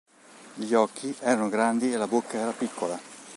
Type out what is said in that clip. Gli occhi erano grandi e la bocca era piccola.